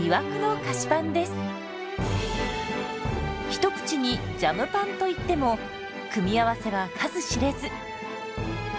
一口に「ジャムパン」といっても組み合わせは数知れず。